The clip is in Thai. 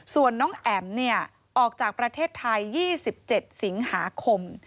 ส่วนน้องแอ๋มออกจากประเทศไทย๒๗สิงหาคม